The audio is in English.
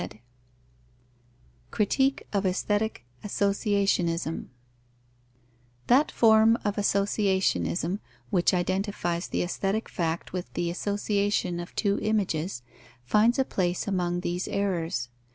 Critique of aesthetic associationism That form of associationism which identifies the aesthetic fact with the association of two images finds a place among these errors.